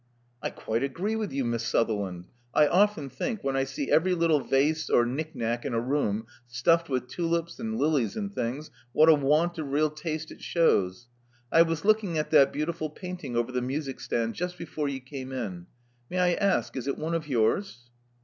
'*I quite agree with you, Miss Sutherland. I often think, when I see every little vase or niknak in a room stuffed with tulips and lilies and things, what a want of real taste it shews. I was looking at that beautiful painting over the music stand just before you came in. May I ask is it one of yours?"